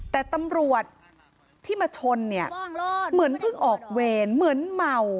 แต่ตำรวจที่มาชนเนี่ยเหมือนเพิ่งออกเวรเหมือนเมา